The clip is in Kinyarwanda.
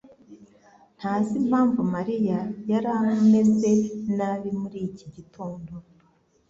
ntazi impamvu Mariya yari ameze nabi muri iki gitondo.